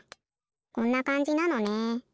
こんなかんじなのね。